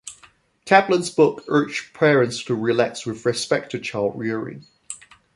Caplan's book urged parents to relax with respect to child-rearing.